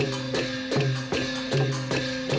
สวัสดีครับ